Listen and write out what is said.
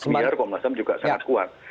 biar komnas ham juga sangat kuat